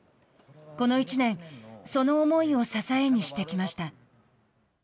この１年その思いを支えにしてきました。